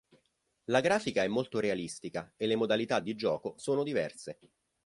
La grafica è molto realistica e le modalità di gioco sono diverse.